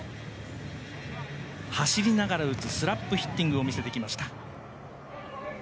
走りながら打つスラップヒッティングを見せていきました。